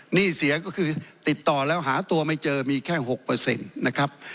หนี้เสียก็คือติดต่อแล้วหาตัวไม่เจอมีแค่๖นะครับ